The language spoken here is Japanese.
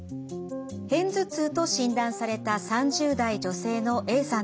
片頭痛と診断された３０代女性のＡさんです。